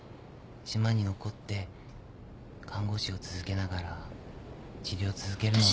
島に残って看護師を続けながら治療を続けるのは。